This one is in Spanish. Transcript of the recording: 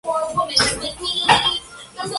El combustible utilizado es la hulla de importación.